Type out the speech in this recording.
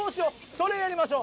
それやりましょ！